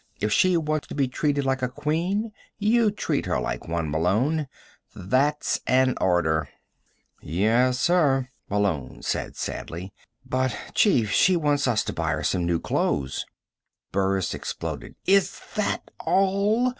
"If she wants to be treated like a queen, you treat her like one. Malone, that's an order!" "Yes, sir," Malone said sadly. "But, chief, she wants us to buy her some new clothes." Burris exploded: "Is that all?